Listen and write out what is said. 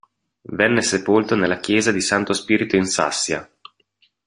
Venne sepolto nella chiesa di Santo Spirito in Sassia.